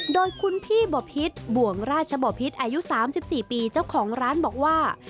โดยคุณพี่บบิฤทธิ์บวงราชบบิฤทธิ์อายุ๓๔ปีเจ้าของร้านบอกว่า